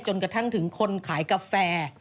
จนกระทั่งถึงคนขายกาแฟ